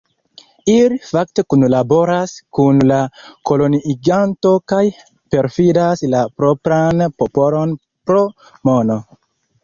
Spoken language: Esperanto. Ili fakte kunlaboras kun la koloniiganto kaj perfidas la propran popolon pro mono.